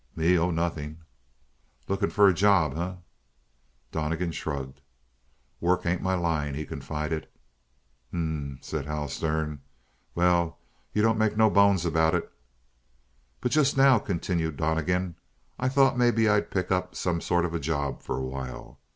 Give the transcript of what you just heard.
"Me? Oh, nothing." "Looking for a job, eh?" Donnegan shrugged. "Work ain't my line," he confided. "H'm m m," said Hal Stern. "Well, you don't make no bones about it." "But just now," continued Donnegan, "I thought maybe I'd pick up some sort of a job for a while."